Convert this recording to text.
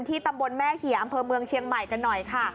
ตำบลแม่เหี่ยอำเภอเมืองเชียงใหม่กันหน่อยค่ะ